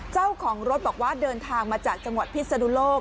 เจ้าของรถบอกว่าเดินทางมาจากจังหวัดพิศนุโลก